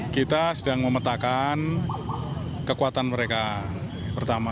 kita sedang memetakan kekuatan mereka pertama